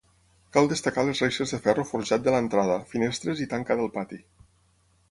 Cal destacar les reixes de ferro forjat de l'entrada, finestres i tanca del pati.